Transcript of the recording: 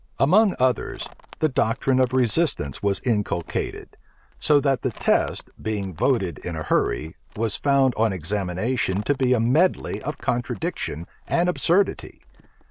Among others, the doctrine of resistance was inculcated; so that the test, being voted in a hurry, was found on examination to be a medley of contradiction and absurdity.